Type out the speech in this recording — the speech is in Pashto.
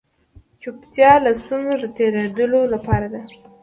چوپتيا له ستونزو د تېرېدلو لپاره